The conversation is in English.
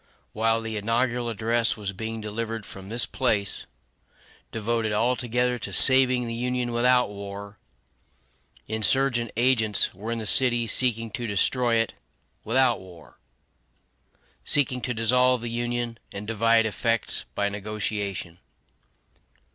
While the inaugural address was being delivered from this place, devoted altogether to saving the Union without war, insurgent agents were in the city seeking to destroy it without war seeking to dissolve the Union, and divide effects, by negotiation.